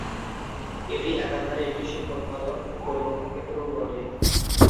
এটি একাধারে একটি শিল্পোৎপাদন ও পরিবহন কেন্দ্রও বটে।